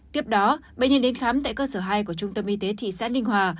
tiếp đó bệnh nhân đến khám tại cơ sở hai của trung tâm y tế thị xã ninh hòa